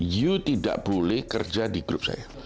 you tidak boleh kerja di grup saya